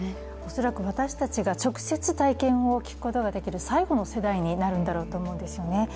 恐らく私たちが直接体験を聞くことができる最後の世代になるんだろうと思うんですよね。